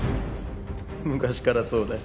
昔からそうだ。